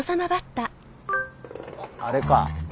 あれか。